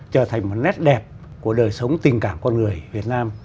trở thành một nét đẹp của đời sống tình cảm